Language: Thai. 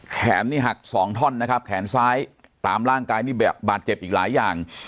แขนนี่หักสองท่อนนะครับแขนซ้ายตามร่างกายนี่แบบบาดเจ็บอีกหลายอย่าง